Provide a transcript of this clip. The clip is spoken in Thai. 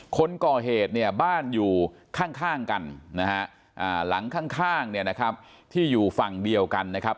คนก่อเหตุเนี่ยบ้านอยู่ข้างกันนะฮะหลังข้างเนี่ยนะครับที่อยู่ฝั่งเดียวกันนะครับ